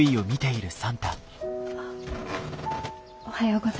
おはよう。